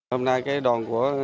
hôm nay cái đòn của